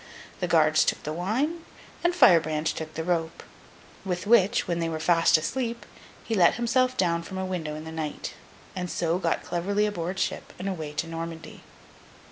The guards took the wine, and Firebrand took the rope; with which, when they were fast asleep, he let himself down from a window in the night, and so got cleverly aboard ship and away to Normandy.